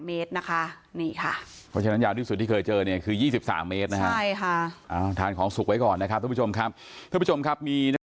เมตรนะคะนี่ค่ะเพราะฉะนั้นยาวที่สุดที่เคยเจอเนี่ยคือ๒๓เมตรนะฮะทานของสุกไว้ก่อนนะครับทุกผู้ชมครับมีน้ำ